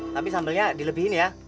tapi sambelnya dilebihin ya